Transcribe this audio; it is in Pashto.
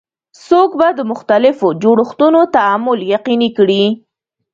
څوک به د مختلفو جوړښتونو تعامل یقیني کړي؟